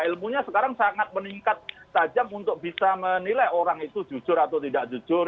ilmunya sekarang sangat meningkat tajam untuk bisa menilai orang itu jujur atau tidak jujur